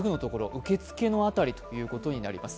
受付のあたりということになります。